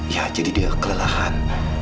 ya jadi dia kelelahan